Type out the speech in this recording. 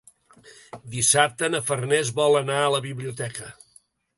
Dissabte na Farners vol anar a la biblioteca.